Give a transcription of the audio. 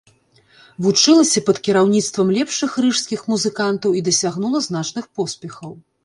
Вучылася пад кіраўніцтвам лепшых рыжскіх музыкантаў і дасягнула значных поспехаў.